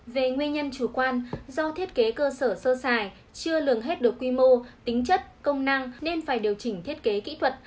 về nguyên nhân chủ quan do thiết kế cơ sở sơ xài chưa lường hết được quy mô tính chất công năng nên phải điều chỉnh thiết kế kỹ thuật